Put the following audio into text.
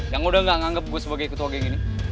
yang udah gak nganggap gue sebagai ketua geng ini